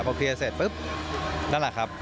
พอเคลียร์เสร็จปุ๊บนั่นแหละครับ